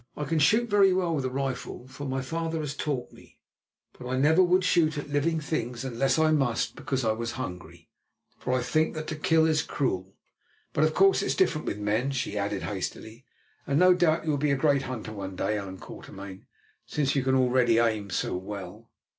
"I can shoot very well with a rifle, for my father has taught me, but I never would shoot at living things unless I must because I was hungry, for I think that to kill is cruel. But, of course, it is different with men," she added hastily, "and no doubt you will be a great hunter one day, Allan Quatermain, since you can already aim so well."